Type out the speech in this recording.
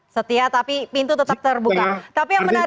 setia tapi pintu tetap terbuka